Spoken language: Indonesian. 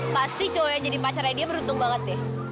pasti cowok yang jadi pacarnya dia beruntung banget deh